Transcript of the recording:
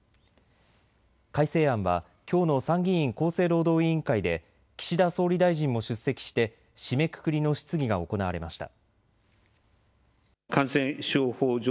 改正案はきょうの参議院厚生労働委員会で岸田総理大臣も出席して締めくくりの質疑が行われました。